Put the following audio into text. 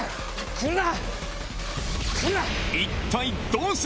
来るな！